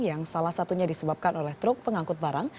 yang salah satunya disebabkan oleh truk pengangkut barang